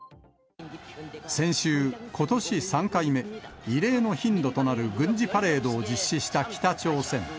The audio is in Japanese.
先週、ことし３回目、異例の頻度となる軍事パレードを実施した北朝鮮。